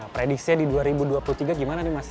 prediksinya di dua ribu dua puluh tiga gimana nih mas